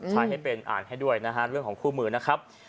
ให้เป็นอ่านให้ด้วยนะฮะเรื่องของคู่มือนะครับ